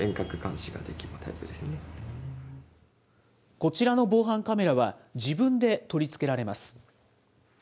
こちらの防犯カメラは、自分で取り付けられます。